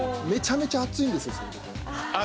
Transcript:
めちゃめちゃ熱いんですよ